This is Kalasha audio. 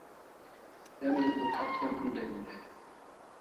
El'i bo khacha mon den dai